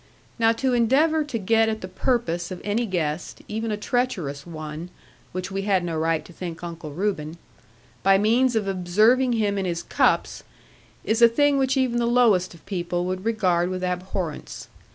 Now to endeavour to get at the purpose of any guest, even a treacherous one (which we had no right to think Uncle Reuben) by means of observing him in his cups, is a thing which even the lowest of people would regard with abhorrence.